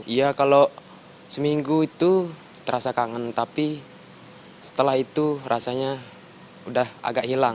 iya kalau seminggu itu terasa kangen tapi setelah itu rasanya udah agak hilang